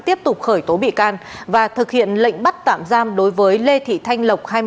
tiếp tục khởi tố bị can và thực hiện lệnh bắt tạm giam đối với lê thị thanh lộc